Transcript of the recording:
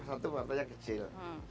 pkb satu partai kecil